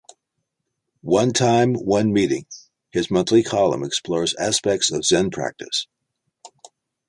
"One Time, One Meeting," his monthly column, explores aspects of Zen practice.